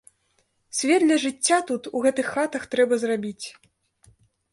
Свет для жыцця тут, у гэтых хатах трэба зрабіць.